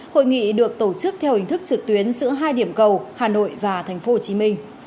hội nghị được tổ chức theo hình thức trực tuyến giữa hai điểm cầu hà nội và tp hcm